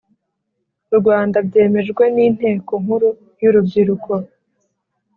Rwanda byemejwe n Inteko Nkuru yurubyiruko